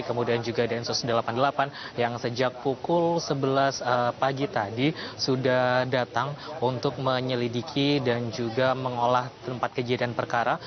kemudian juga densus delapan puluh delapan yang sejak pukul sebelas pagi tadi sudah datang untuk menyelidiki dan juga mengolah tempat kejadian perkara